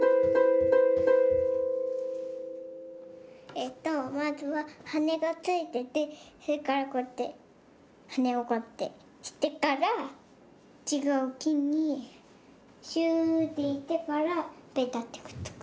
えっとまずははねがついててそれからこうやってはねをこうやってしてからちがうきにシューッていってからベタッてくっつく。